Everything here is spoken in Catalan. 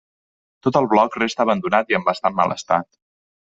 Tot el bloc resta abandonat i en bastant mal estat.